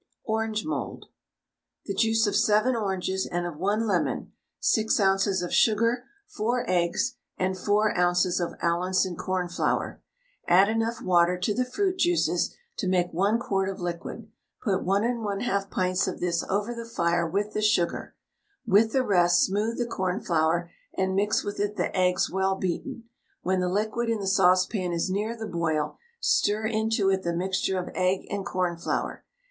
ORANGE MOULD. The juice of 7 oranges and of 1 lemon, 6 oz. of sugar, 4 eggs, and 4 oz. of Allinson cornflour. Add enough water to the fruit juices to make 1 quart of liquid; put 1 1/2 pints of this over the fire with the sugar. With the rest smooth the cornflour and mix with it the eggs well beaten. When the liquid in the saucepan is near the boil, stir into it the mixture of egg and cornflour.